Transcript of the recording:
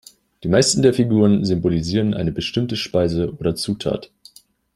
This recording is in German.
Die meisten der Figuren symbolisieren eine bestimmte Speise oder Zutat.